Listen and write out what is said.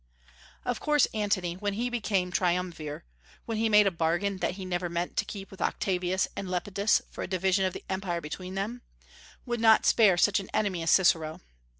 Of course Antony, when he became Triumvir, when he made a bargain that he never meant to keep with Octavius and Lepidus for a division of the Empire between them, would not spare such an enemy as Cicero.